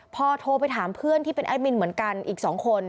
พอโทรไปถามเพื่อนที่เป็นแอดมินเหมือนกันอีก๒คน